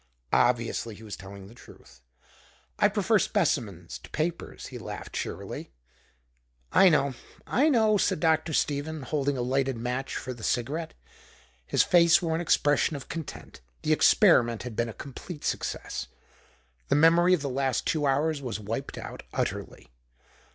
Obviously he was telling the truth. "I prefer specimens to papers," he laughed cheerily. "I know, I know," said Dr. Stephen, holding a lighted match for the cigarette. His face wore an expression of content. The experiment had been a complete success. The memory of the last two hours was wiped out utterly.